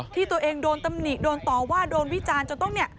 ที่ตัวเองโดนตำหนิโดนต่อว่าโดนวิจารณ์จนต้องเนี่ย